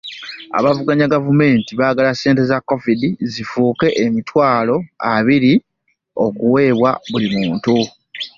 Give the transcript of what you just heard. Abavuganya gavumenti baagala ssente za Covid zifuuke emitwalo abiri okuweebwa buli muntu